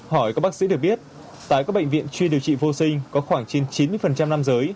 hỏi các bác sĩ được biết tại các bệnh viện chuyên điều trị vô sinh có khoảng trên chín mươi nam giới